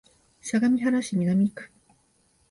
相模原市南区